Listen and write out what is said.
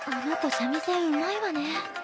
三味線うまいわね。